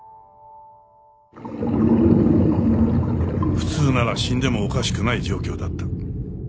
普通なら死んでもおかしくない状況だった。